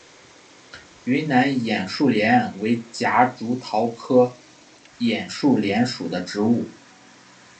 云南眼树莲为夹竹桃科眼树莲属的植物。